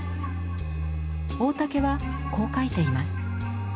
大竹はこう書いています。